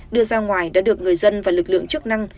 đưa ra ngoài đã được người dân và lực lượng chức năng